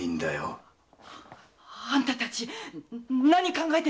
あんたたち何を考えてんだい